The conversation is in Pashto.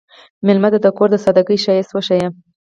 مېلمه ته د کور د سادګۍ ښایست وښیه.